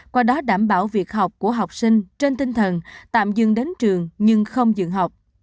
qua đó đảm bảo việc học của học sinh trên tinh thần tạm dừng đến trường nhưng không dừng học